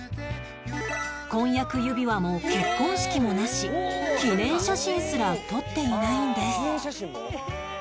婚約指輪も結婚式もなし記念写真すら撮っていないんです